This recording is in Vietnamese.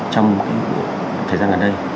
trong thời gian gần đây